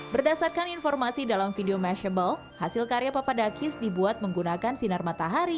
berdasarkan informasi dalam video mashable hasil karya papadakis dibuat menggunakan sinar matahari